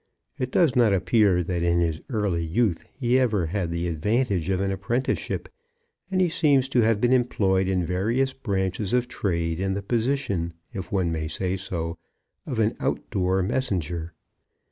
It does not appear that in his early youth he ever had the advantage of an apprenticeship, and he seems to have been employed in various branches of trade in the position, if one may say so, of an out door messenger.